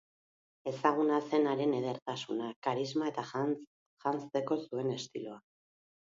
Ezaguna zen haren edertasuna, karisma eta janzteko zuen estiloa.